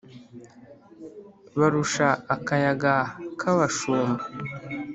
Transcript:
Barusha akayaga ka bashumba